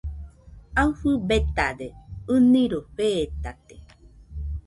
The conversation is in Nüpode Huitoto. Aɨfɨ betade, ɨniroi fetate.